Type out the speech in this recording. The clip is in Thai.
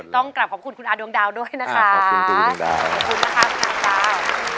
ต้องกลับขอบคุณคุณอาดวงดาวด้วยนะคะขอบคุณคุณคุณอาดวงดาวขอบคุณคุณคุณอาดวงดาว